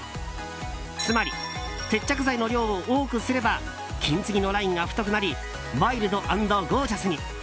つまり、接着剤の量を多くすれば金継ぎのラインが太くなりワイルド＆ゴージャスに。